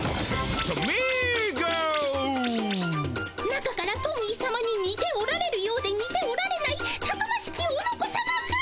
中からトミーさまににておられるようでにておられないたくましきおのこさまが！